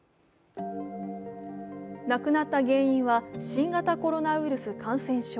亡くなった原因は新型コロナウイルス感染症。